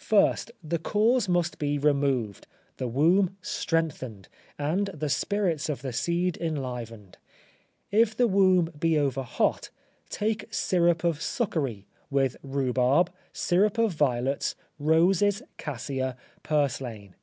First, the cause must be removed, the womb strengthened, and the spirits of the seed enlivened. If the womb be over hot, take syrup of succory, with rhubarb, syrup of violets, roses, cassia, purslain.